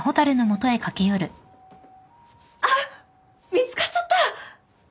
あっ見つかっちゃった！